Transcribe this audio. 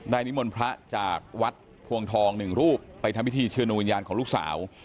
นิมนต์พระจากวัดพวงทองหนึ่งรูปไปทำพิธีเชิญดวงวิญญาณของลูกสาว